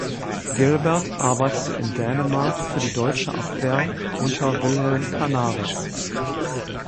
Gilbert arbeitete in Dänemark für die deutsche Abwehr unter Wilhelm Canaris.